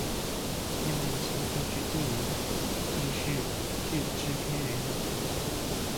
叶茂菁亦是电影电视剧制片人和投资人。